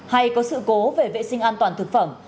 hay có sự cố về vệ sinh an toàn thực phẩm